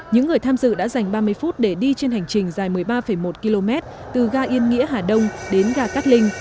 những người tham dự đã dành ba mươi phút để đi trên hành trình dài một mươi ba một km từ ga yên nghĩa hà đông đến ga cát linh